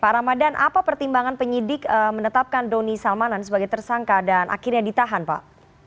pak ramadan apa pertimbangan penyidik menetapkan doni salmanan sebagai tersangka dan akhirnya ditahan pak